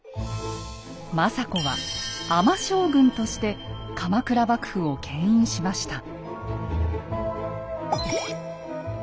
政子は「尼将軍」として鎌倉幕府を牽引しました。